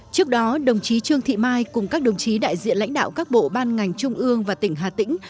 trước đó đồng chí trương thị mai cùng các đồng chí đại diện lãnh đạo các bộ ban ngành trung ương và tỉnh hà tĩnh